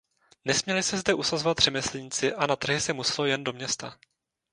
Nesměli se zde usazovat řemeslníci a na trhy se muselo jen do města.